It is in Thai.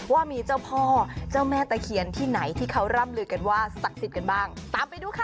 ว่ามีเจ้าพ่อเจ้าแม่ตะเคียนที่ไหนที่เขาร่ำลือกันว่าศักดิ์สิทธิ์กันบ้างตามไปดูค่ะ